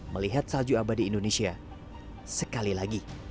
melihat salju abadi indonesia sekali lagi